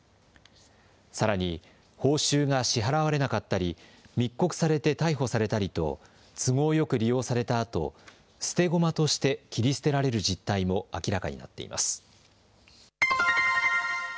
さらに、報酬が支払われなかったり、密告されて逮捕されたりと都合よく利用されたあと、捨て駒として切り捨てられる実態も明らかになっています。